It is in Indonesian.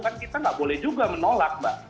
kan kita nggak boleh juga menolak mbak